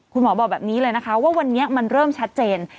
คุณหมอบอกแบบนี้เลยนะคะว่าวันนี้มันเริ่มชัดเจน